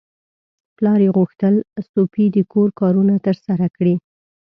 پلار یې غوښتل سوفي د کور کارونه ترسره کړي.